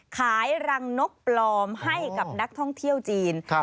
ขายรังนกปลอมให้กับนักท่องเที่ยวจีน